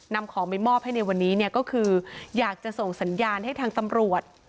นำของไปมอบให้ในวันนี้เนี่ยก็คืออยากจะส่งสัญญาณให้ทางตำรวจ